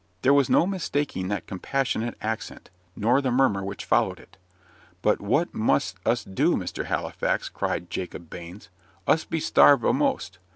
There was no mistaking that compassionate accent, nor the murmur which followed it. "But what must us do, Mr. Halifax?" cried Jacob Baines: "us be starved a'most.